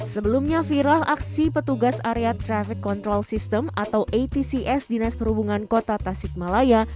sebelumnya viral aksi petugas area traffic control system atau atcs dinas perhubungan kota tasikmalaya